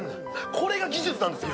これが技術なんですよ。